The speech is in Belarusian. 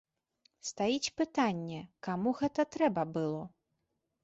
Стаіць пытанне, каму гэта трэба было.